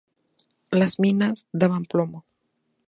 Las minas daban plomo.